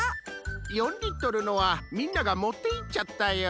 ４リットルのはみんながもっていっちゃったよ。